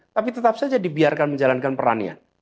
tapi tetap saja dibiarkan menjalankan pertanian